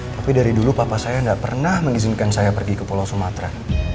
tapi dari dulu papa saya tidak pernah mengizinkan saya pergi ke pulau sumatera